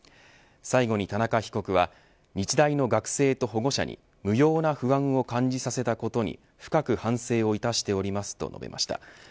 最後に田中被告は日大の学生と保護者に無用な不安を感じさせたことに深く反省をいたしておりますと述べました。